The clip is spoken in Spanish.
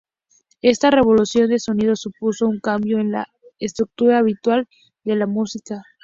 Esta revolución de sonidos supuso un cambio en la estructura habitual de la música.